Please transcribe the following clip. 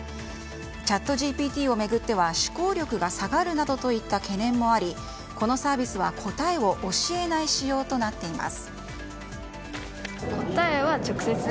ＣｈａｔＧＰＴを巡っては思考力が下がるなどといった懸念もありこのサービスは答えを教えない仕様となっています。